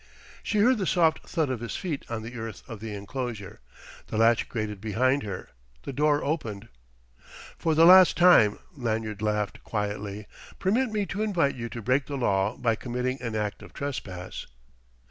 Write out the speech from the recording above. She heard the soft thud of his feet on the earth of the enclosure; the latch grated behind her; the door opened. "For the last time," Lanyard laughed quietly, "permit me to invite you to break the law by committing an act of trespass!"